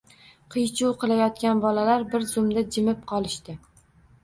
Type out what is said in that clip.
Qiy-chuv qilayotgan bolalar bir zumda jimib qolishdi.